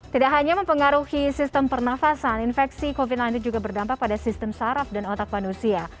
tidak hanya mempengaruhi sistem pernafasan infeksi covid sembilan belas juga berdampak pada sistem saraf dan otak manusia